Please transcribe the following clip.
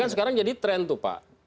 tapi sekarang jadi tren itu pak